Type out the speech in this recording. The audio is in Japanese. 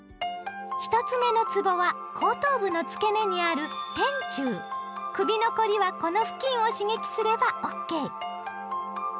１つ目のつぼは後頭部の付け根にある首の凝りはこの付近を刺激すればＯＫ！